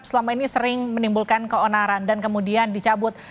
selama ini sering menimbulkan keonaran dan kemudian dicabut